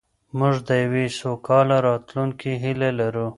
موږ د یوې سوکاله راتلونکې هیله لرو.